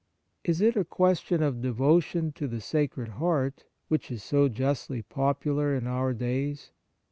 Is it a question of devotion to the Sacred Heart, which is so justly popular in our days